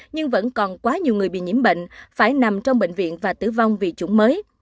nhưng vẫn còn quá nhiều người bị nhiễm bệnh phải nằm trong bệnh viện và tử vong vì chủng mới